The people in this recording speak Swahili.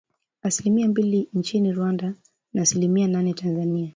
Asilimia mbili nchini Rwanda na asilimi nane Tanzania